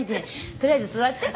とりあえず座って。